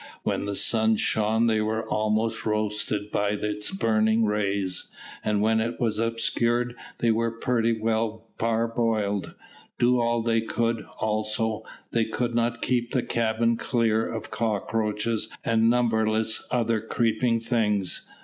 When the sun shone they were almost roasted by its burning rays, and when it was obscured they were pretty well parboiled. Do all they could, also, they could not keep the cabin clear of cockroaches and numberless other creeping things.